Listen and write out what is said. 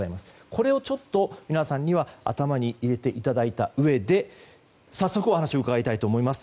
これをちょっと皆さんには頭に入れていただいたうえで早速お話を伺いたいと思います。